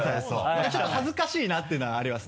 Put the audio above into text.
ちょっと恥ずかしいなっていうのはあります。